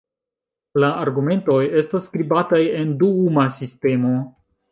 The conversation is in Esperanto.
La argumentoj estas skribataj en duuma sistemo.